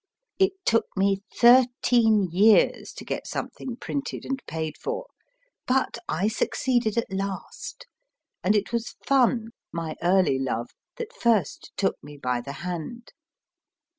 It took me thirteen years to get something printed and paid for, but I succeeded at last, and it was Fun, my early love, that first took me by the hand.